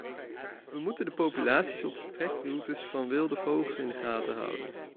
We moeten de populaties op de trekroutes van wilde vogels in de gaten houden.